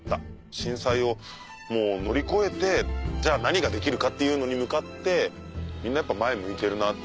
震災を乗り越えてじゃあ何ができるかっていうのに向かってみんな前向いてるなって。